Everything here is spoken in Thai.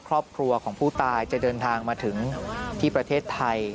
ครอบครัวของผู้ตายจะเดินทางมาถึงที่ประเทศไทย